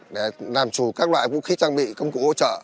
để làm chủ các loại vũ khí trang bị công cụ hỗ trợ